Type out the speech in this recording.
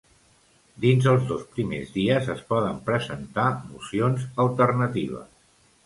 Dins els dos primers dies es poden presentar mocions alternatives.